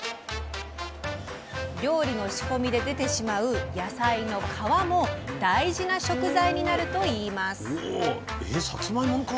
料理の仕込みで出てしまう野菜の皮も大事な食材になるといいます。